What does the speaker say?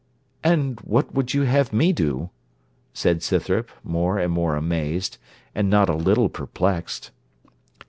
'And what would you have me do?' said Scythrop, more and more amazed, and not a little perplexed.